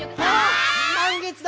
「満月だ！」